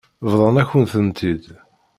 Bḍan-akent-ten-id.